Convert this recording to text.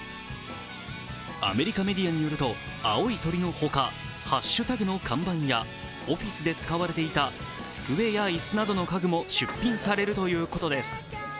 アメリカメディアによると青い鳥のほか、ハッシュタグの看板やオフィスで使われていた机や椅子などの家具も出品されるということです。